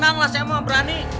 bang lah saya mau berani